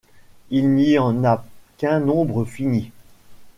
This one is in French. Il n'y en a qu'un nombre fini.